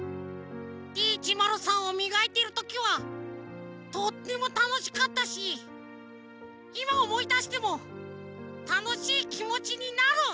Ｄ１０３をみがいてるときはとってもたのしかったしいまおもいだしてもたのしいきもちになる！